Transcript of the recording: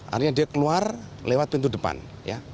artinya dia keluar lewat pintu depan ya